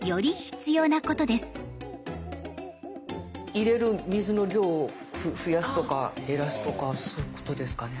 入れる水の量を増やすとか減らすとかそういうことですかね？